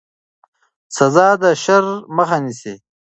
سزا د شر مخه نیسي